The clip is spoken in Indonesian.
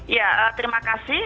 ya terima kasih